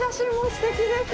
すてきです。